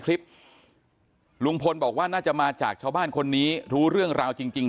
คลิปลุงพลบอกว่าน่าจะมาจากชาวบ้านคนนี้รู้เรื่องราวจริงจริง